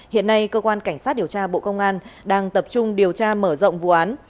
hiện nay cơ quan cảnh sát điều tra bộ công an đang tập trung điều tra mở rộng vụ án